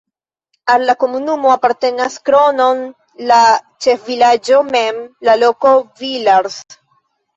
Al la komunumo apartenas krom la ĉefvilaĝo mem la loko Villars.